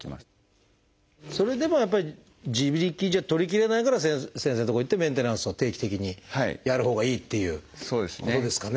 それでもやっぱり自力じゃ取りきれないから先生の所行ってメンテナンスを定期的にやるほうがいいっていうことですかね。